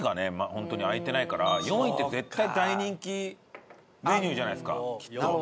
ホントに開いてないから４位って絶対大人気メニューじゃないですかきっと。